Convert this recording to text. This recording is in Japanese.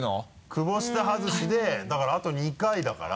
久保下外しでだからあと２回だから。